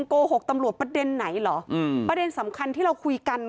โกหกตำรวจประเด็นไหนเหรออืมประเด็นสำคัญที่เราคุยกัน